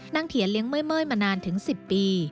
เถียเลี้ยงเมื่อยมานานถึง๑๐ปี